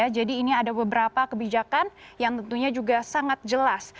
jadi ini ada beberapa kebijakan yang tentunya juga sangat jelas